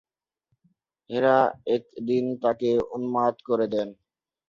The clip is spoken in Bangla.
হেরা একদিন তাকে উন্মাদ করে দেন।